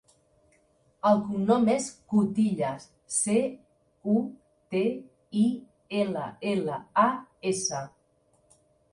El cognom és Cutillas: ce, u, te, i, ela, ela, a, essa.